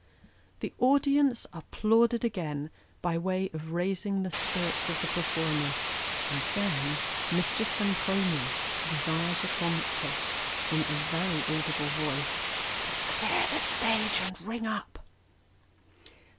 The audience applauded again, by way of raising the spirits of the per 324 Sketches by Boz. formers ; and then Mr. Sempronius desired the prompter, in a very audible voice, to " clear the stage, and ring up."